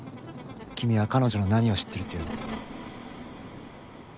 君は彼女の何を知ってるっていうの？